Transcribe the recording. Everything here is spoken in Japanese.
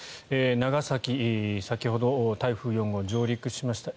長崎、先ほど台風４号上陸しました。